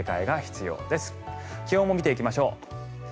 気温も見ていきましょう。